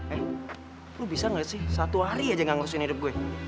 eh lo bisa gak sih satu hari aja gangguin hidup gue